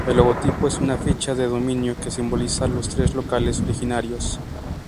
El logotipo es una ficha de dominó que simboliza los tres locales originarios.